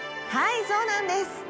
はいそうなんです。